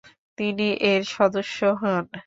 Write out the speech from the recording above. তিনি এর সদস্য হন ।